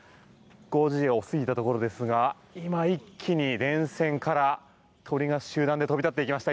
５時を過ぎたところですが今、一気に電線から鳥が集団で飛び立っていきました